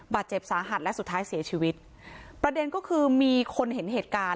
บาดเจ็บสาหัสและสุดท้ายเสียชีวิตประเด็นก็คือมีคนเห็นเหตุการณ์